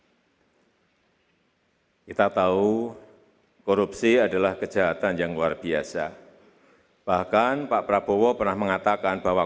kita tahu korupsi adalah kejahatan yang luar biasa bahkan pak prabowo pernah mengatakan bahwa